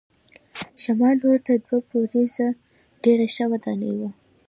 شمال لور ته دوه پوړیزه ډېره ښه ودانۍ وه.